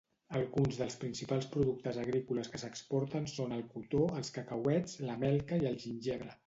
Alguns dels principals productes agrícoles que s'exporten són el cotó, els cacauets, la melca i el gingebre.